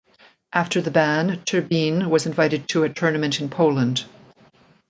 After the ban, Turbine was invited to a tournament in Poland.